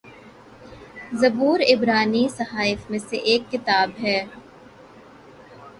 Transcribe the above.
زبور عبرانی صحائف میں سے ایک کتاب ہے